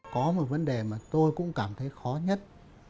có một vấn đề mà tôi cũng cảm thấy khó nhất